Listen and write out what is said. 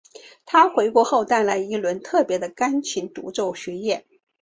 她回归后带来了一轮特别的钢琴独奏巡演。